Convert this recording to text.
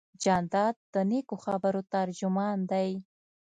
جانداد د نیکو خبرو ترجمان دی.